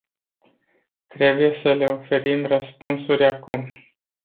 Trebuie să le oferim răspunsuri acum.